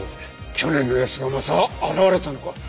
去年の奴がまた現れたのか？